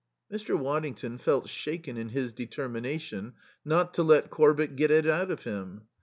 Mr. Waddington felt shaken in his determination not to let Corbett get it out of him.